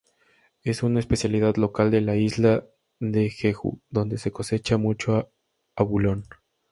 Es una especialidad local de la isla de Jeju, donde se cosecha mucho abulón.